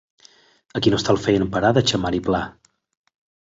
A quin hostal feien parada Xammar i Pla?